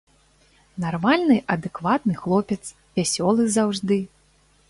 Нармальны адэкватны хлопец, вясёлы заўжды.